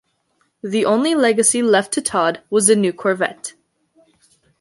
The only legacy left to Tod was a new Corvette.